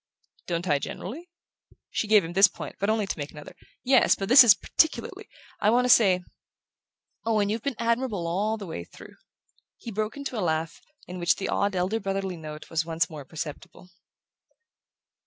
"Don't I, generally?" She gave him this point, but only to make another. "Yes; but this is particularly. I want to say...Owen, you've been admirable all through." He broke into a laugh in which the odd elder brotherly note was once more perceptible.